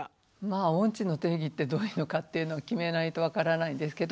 音痴の定義ってどういうのかっていうのを決めないと分からないんですけど。